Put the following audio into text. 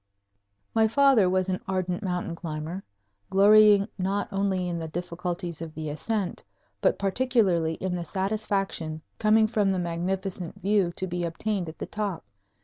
My father was an ardent mountain climber, glorying not only in the difficulties of the ascent, but particularly in the satisfaction coming from the magnificent view to be obtained at the top.